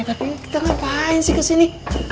tapi kita ngapain sih kesini